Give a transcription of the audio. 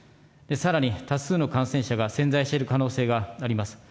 さらに多数の感染者が潜在している可能性があります。